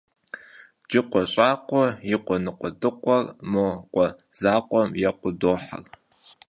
Джыкъуэ щӏакъуэ и къуэ ныкъуэдыкъуэр мо къуэ закъуэм екъуу дохьэр.